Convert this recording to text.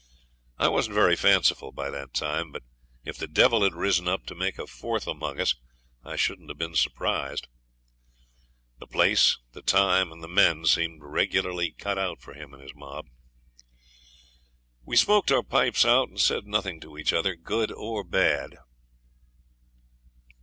I wasn't very fanciful by that time, but if the devil had risen up to make a fourth amongst us I shouldn't have been surprised. The place, the time, and the men seemed regularly cut out for him and his mob. We smoked our pipes out, and said nothing to each other, good or bad.